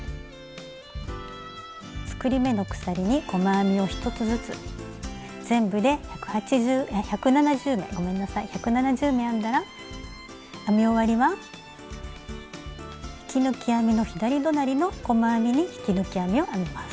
作り目の鎖に細編みを１つずつ全部で１７０目編んだら編み終わりは引き抜き編みの左隣りの細編みに引き抜き編みを編みます。